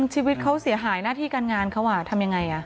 ชีวิตเขาเสียหายหน้าที่การงานเขาทำยังไง